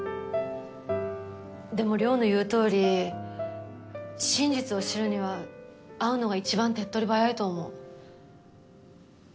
でも稜の言うとおり真実を知るには会うのが一番手っ取り早いと思う。